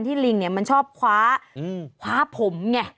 ที่ลิงเนี่ยมันชอบค้าผมไง